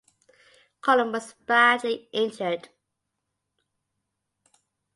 Collum was badly injured.